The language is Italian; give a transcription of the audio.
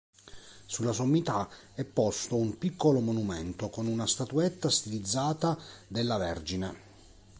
Sulla sommità è posto un piccolo monumento con una statuetta stilizzata della Vergine.